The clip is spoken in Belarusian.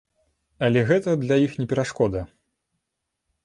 Але гэта для іх не перашкода.